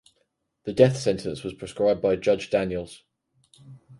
The death sentence was prescribed by Judge Daniels.